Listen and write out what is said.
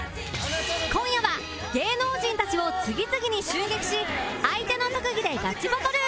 今夜は芸能人たちを次々に襲撃し相手の特技でガチバトル